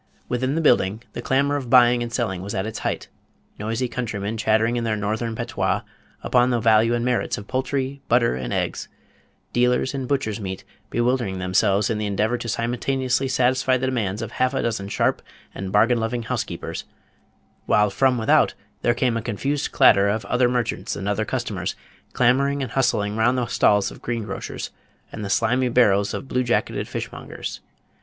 Within the building the clamor of buying and selling was at its height: noisy countrymen chaffering in their northern patois upon the value and merits of poultry, butter, and eggs; dealers in butchers' meat bewildering themselves in the endeavor to simultaneously satisfy the demands of half a dozen sharp and bargain loving housekeepers; while from without there came a confused clatter of other merchants and other customers, clamoring and hustling round the stalls of green grocers, and the slimy barrows of blue jacketed fishmongers.